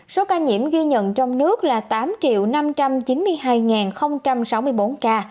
số ca nhiễm ghi nhận trong nước là tám năm trăm chín mươi hai sáu mươi bốn ca